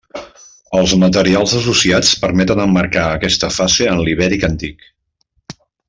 Els materials associats permeten emmarcar aquesta fase en l'ibèric antic.